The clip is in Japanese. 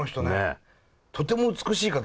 とても美しい方じゃん。